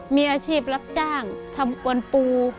มีอาชีพรับจ้างทำกวนปู